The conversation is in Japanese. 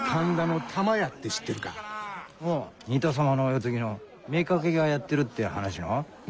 水戸様のお世継ぎの妾がやってるって話の？